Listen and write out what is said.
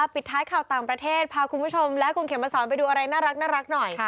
ปิดท้ายข่าวต่างประเทศพาคุณผู้ชมและคุณเข็มมาสอนไปดูอะไรน่ารักหน่อย